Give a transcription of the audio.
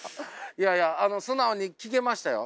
いやいや素直に聞けましたよ。